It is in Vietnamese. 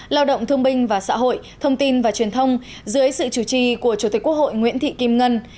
lao động thương binh và xã hội thông tin và truyền thông dưới sự chủ trì của chủ tịch quốc hội nguyễn thị kim ngân